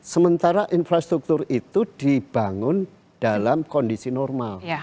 sementara infrastruktur itu dibangun dalam kondisi normal